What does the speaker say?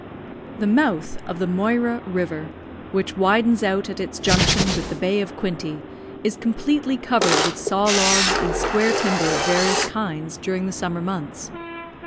The mouth of the Moira River, which widens out at its junction with the Bay of Quinte, is completely covered with saw logs and square timber of various kinds during the summer months.